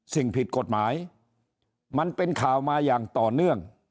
สิ่งผิดกฎหมายมันเป็นข่าวมาอย่างต่อเนื่อง